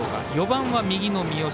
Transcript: ４番は右の三好。